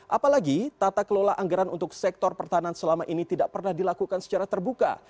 apalagi tata kelola anggaran untuk sektor pertahanan selama ini tidak pernah dilakukan secara terbuka